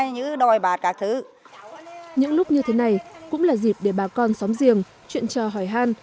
những lúc như thế này cũng là dịp để bà con xóm riêng chuyện trò hỏi hàn